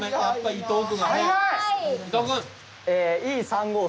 伊藤君！